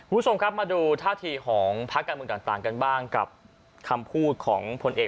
วุฒมาดูทาธิของพักการเมืองต่างกันเวลากับคำพูดของพลเอก